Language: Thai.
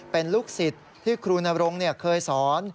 เป็นลูกศิษย์ที่ครูนรงเคยสอน